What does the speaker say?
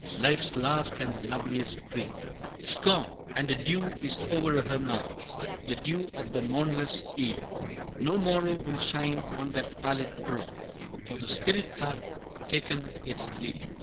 Life's last and loveliest streak. 'Tis gone, and a dew is o'er her now The dew of the mornless eve No morrow will shine on that pallid brow, For the spirit hath ta'en its leave.